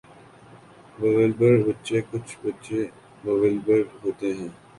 وولبر بچے کچھ بچے وولبر ہوتے ہیں۔